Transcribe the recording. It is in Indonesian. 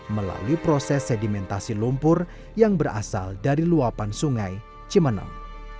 melalui proses sedimentasi lumpur yang berasal dari luapan sungai cimeneng